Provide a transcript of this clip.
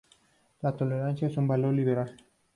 La tolerancia es un valor liberal.